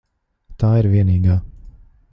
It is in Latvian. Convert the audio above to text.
Tā ir vienīgā.